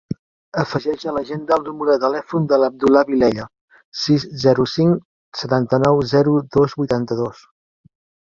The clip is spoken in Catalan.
Afegeix a l'agenda el número de l'Abdullah Vilella: sis, zero, cinc, setanta-nou, zero, dos, vuitanta-dos.